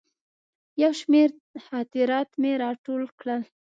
یو شمېر خاطرات مې راټول کړل.